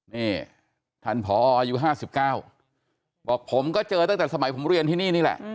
นี่ท่านผออายุ๕๙บอกผมก็เจอตั้งแต่สมัยผมเรียนที่นี่นี่แหละ